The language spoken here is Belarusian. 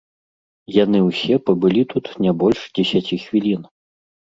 Яны ўсе пабылі тут не больш дзесяці хвілін.